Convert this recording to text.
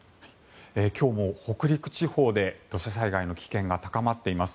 今日も北陸地方で土砂災害の危険が高まっています。